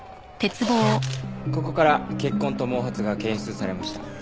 ここから血痕と毛髪が検出されました。